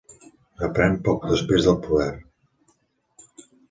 Reprèn poc després el poder.